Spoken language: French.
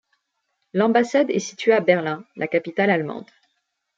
L'ambassade est située à Berlin, la capitale allemande.